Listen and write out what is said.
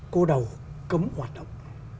cô đầu cấm hoạt động